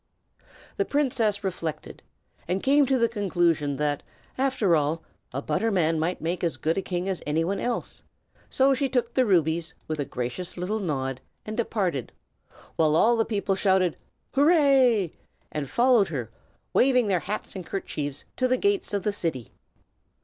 The princess reflected, and came to the conclusion that, after all, a butterman might make as good a king as any one else; so she took the rubies with a gracious little nod, and departed, while all the people shouted, "Hooray!" and followed her, waving their hats and kerchiefs, to the gates of the city.